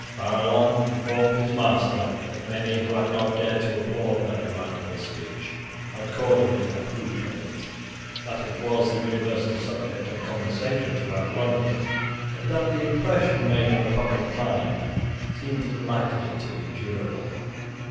Barillon informed his master that many who had not dared to applaud that remarkable speech had cordially approved of it, that it was the universal subject of conversation throughout London, and that the impression made on the public mind seemed likely to be durable.